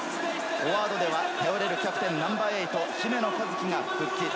フォワードでは頼れるキャプテンナンバー８・姫野和樹が復帰。